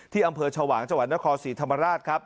ที่อำเภอชาวหวางจนครศรีธรรมราช